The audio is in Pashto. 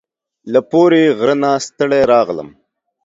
له پوري غره نه ستړي راغلم